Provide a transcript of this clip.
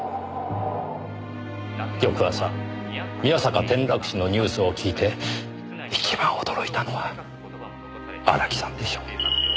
翌朝宮坂転落死のニュースを聞いて一番驚いたのは荒木さんでしょう。